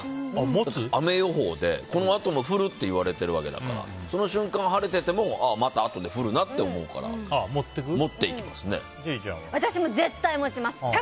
だって雨予報でこのあとも降るって言われてるわけだからその瞬間、晴れててもまたあとで降るなって思うから私も絶対持ちます。